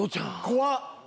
怖っ。